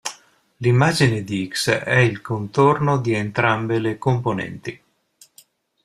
L'immagine di "X" è il contorno di entrambe le componenti.